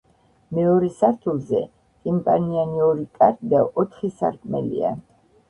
მეორე სართულზე, ტიმპანიანი ორი კარი და ოთხი სარკმელია.